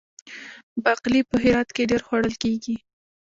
باقلي په هرات کې ډیر خوړل کیږي.